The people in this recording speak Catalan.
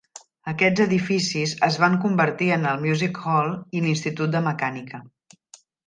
Aquests edificis es van convertir en el Music Hall i l'Institut de Mecànica.